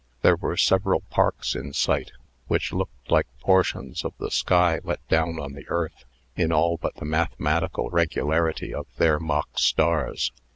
There were several parks in sight, which looked like portions of the sky let down on the earth, in all but the mathematical regularity of their mock stars.